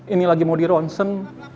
ini lagi mau di ronsen